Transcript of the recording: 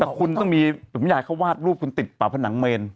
แต่คุณต้องมีผมอยากให้เขาวาดรูปคุณติดป่าผนังเมน